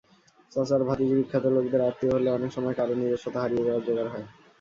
চাচার ভাতিজিবিখ্যাত লোকদের আত্মীয় হলে অনেক সময় কারও নিজস্বতা হারিয়ে যাওয়ার জোগাড় হয়।